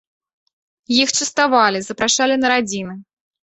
Іх частавалі, запрашалі на радзіны.